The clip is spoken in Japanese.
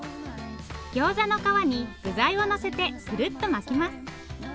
ギョーザの皮に具材をのせてくるっと巻きます。